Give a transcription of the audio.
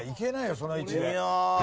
その位置で。